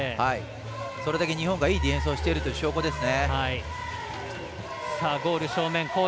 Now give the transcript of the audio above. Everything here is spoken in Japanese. それだけ日本がいいディフェンスをしている証拠ですね。